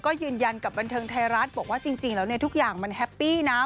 ก็ยืนยันกับบันเทิงไทยรัฐบอกว่าจริงแล้วเนี่ยทุกอย่างมันแฮปปี้นะ